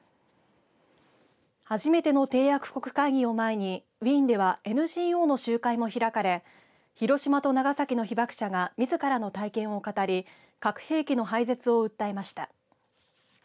初めての締約国会議を前にウィーンではＮＧＯの集会も開かれ広島と長崎の被爆者がみずからの体験を語り核兵器の廃絶を訴えました。